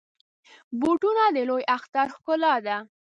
بوټونه د لوی اختر ښکلا ده.